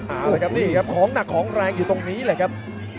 เอาละครับนี่ครับของหนักของแรงอยู่ตรงนี้เลยครับ